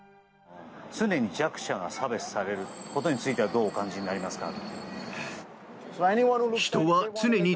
常に弱者が差別されることについてはどうお感じになりますか。